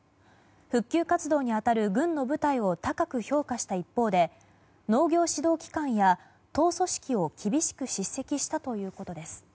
復旧活動に当たる軍の部隊を高く評価した一方で農業指導機関や党組織を厳しく叱責したということです。